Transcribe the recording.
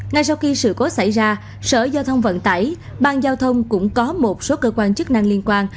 ngay sau khi sự cố xảy ra sở giao thông vận tải bang giao thông cũng có một số cơ quan chức năng liên quan